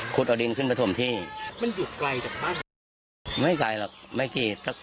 คุดมาประมาณ๑๐ปี๒๐ปีแล้ว